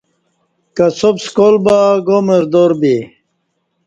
کساب سکال با گا مردار بے